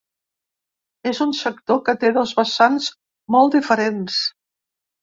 És un sector que té dos vessants molt diferents.